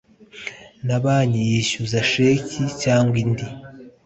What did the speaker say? na banki yishyuza sheki cyangwa indi